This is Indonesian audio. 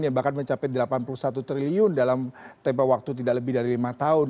yang bahkan mencapai delapan puluh satu triliun dalam tempo waktu tidak lebih dari lima tahun